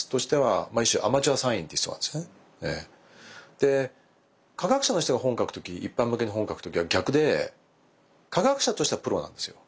で科学者の人が本書く時一般向けの本を書く時は逆で科学者としてはプロなんですよ。